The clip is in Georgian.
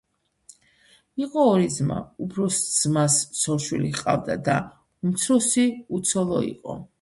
იყო ორი ძმა. უფროს ძმას ცოლ-შვილი ჰყავდა და უმცროსი უცოლო იყო.